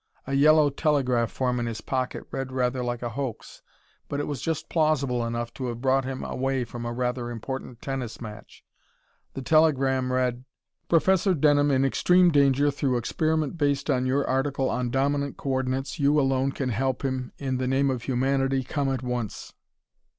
A yellow telegraph form in his pocket read rather like a hoax, but was just plausible enough to have brought him away from a rather important tennis match. The telegram read: PROFESSOR DENHAM IN EXTREME DANGER THROUGH EXPERIMENT BASED ON YOUR ARTICLE ON DOMINANT COORDINATES YOU ALONE CAN HELP HIM IN THE NAME OF HUMANITY COME AT ONCE.